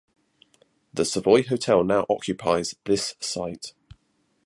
The Savoy Hotel now occupies this site.